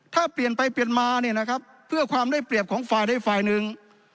ถ้าเปลี่ยนไปเปลี่ยนมาเนี่ยนะครับเพื่อความได้เปรียบของฝ่ายใดฝ่ายหนึ่ง